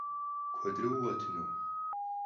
Куэдрэ укъэтыну?